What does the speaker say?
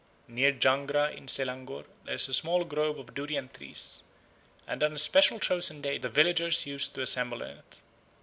Near Jugra in Selangor there is a small grove of durian trees, and on a specially chosen day the villagers used to assemble in it.